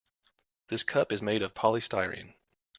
This cup is made of polystyrene.